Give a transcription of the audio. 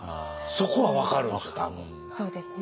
そこは分かるんですよ